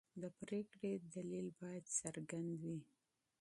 د پرېکړې دلیل باید څرګند وي.